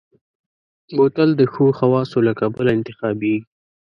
بوتل د ښو خواصو له کبله انتخابېږي.